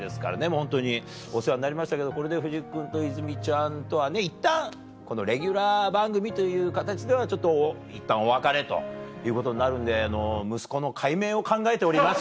ホントにお世話になりましたけどこれで藤木君と泉ちゃんとはねいったんこのレギュラー番組という形ではいったんお別れということになるんで息子の改名を考えております。